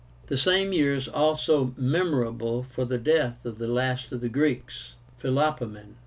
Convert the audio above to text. This same year is also memorable for the death of "the last of the Greeks," PHILOPOEMEN.